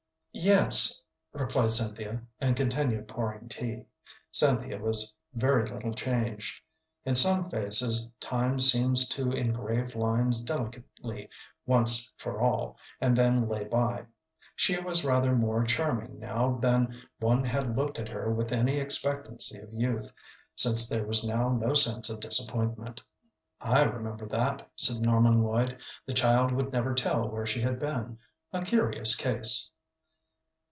"Yes," replied Cynthia, and continued pouring tea. Cynthia was very little changed. In some faces time seems to engrave lines delicately, once for all, and then lay by. She was rather more charming now than when one had looked at her with any expectancy of youth, since there was now no sense of disappointment. "I remember that," said Norman Lloyd. "The child would never tell where she had been. A curious case."